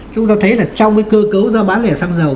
chúng ta thấy là trong cái cơ cấu giá bán lẻ xăng dầu